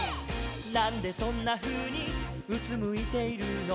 「なんでそんなふうにうつむいているの」